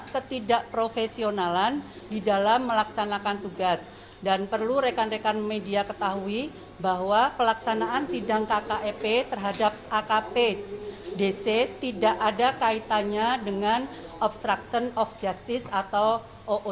ketidakprofesionalan di dalam melaksanakan tugas dan perlu rekan rekan media ketahui bahwa pelaksanaan sidang kkep terhadap akp dc tidak ada kaitannya dengan obstruction of justice atau oo